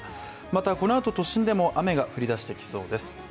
また、このあと都心でも雨が降りだしてきそうです。